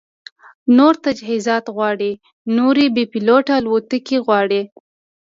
نور تجهیزات غواړي، نورې بې پیلوټه الوتکې غواړي